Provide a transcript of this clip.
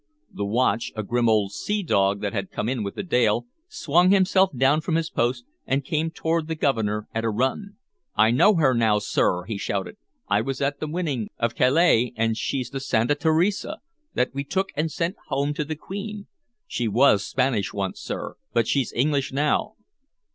The watch, a grim old sea dog that had come in with Dale, swung himself down from his post, and came toward the Governor at a run. "I know her now, sir!" he shouted. "I was at the winning of Cales, and she's the Santa Teresa, that we took and sent home to the Queen. She was Spanish once, sir, but she's English now."